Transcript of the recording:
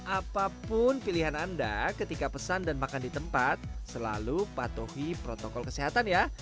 apapun pilihan anda ketika pesan dan makan di tempat selalu patuhi protokol kesehatan ya